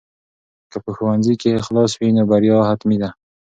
که په ښوونځي کې اخلاص وي نو بریا حتمي ده.